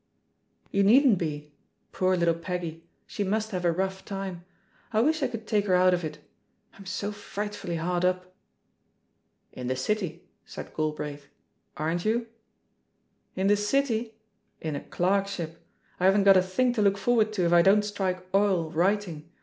You needn't be. Poor little Peggy I She must have a rough time. I wish I could take her out of it. I'm so frightfully hard up." "In the City," said Galbraith, "aren't you?" , ^*In the City? In a clerkship! I haven't got a thing to look forward to if I don't strike oil writing.